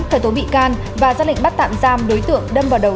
khởi tố bị can và ra lệnh bắt tạm giam đối tượng đâm vào đầu